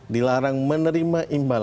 dilarang untuk mencari partai partai politik